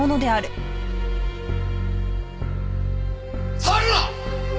触るな！